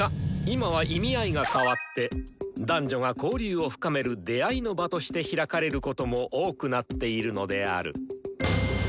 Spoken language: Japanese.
今は意味合いが変わって男女が交流を深める出会いの場として開かれることも多くなっているのである。